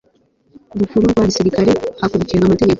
rukuru rwa gisirikare hakurikijwe amategeko